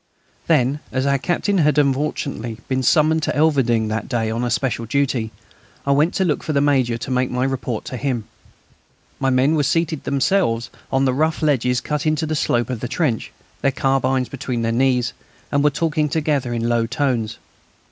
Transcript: Then, as our Captain had unfortunately been summoned to Elverdinghe that day on special duty, I went to look for the Major to make my report to him. My men had seated themselves on the rough ledges cut in the slope of the trench, their carbines between their knees, and were talking together in low tones.